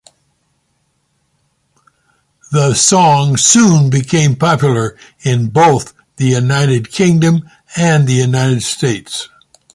The song soon became popular in both the United Kingdom and the United States.